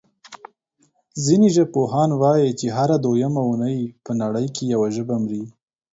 ځینې ژبپوهان وايي چې هره دویمه اوونۍ په نړۍ کې یوه ژبه مري.